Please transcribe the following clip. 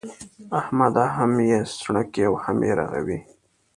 احمده! هم يې سڼکې او هم يې رغوې.